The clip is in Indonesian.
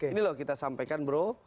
ini loh kita sampaikan bro